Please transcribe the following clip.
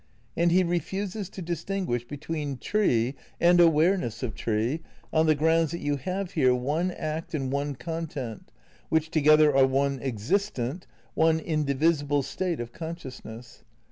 And he re fuses to distinguish between tree and awareness of tree on the grounds that you have here one act and one content, which together are one existent, one indivisible state of consciousness.